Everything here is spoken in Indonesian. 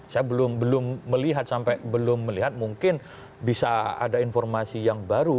saya belum melihat sampai belum melihat mungkin bisa ada informasi yang baru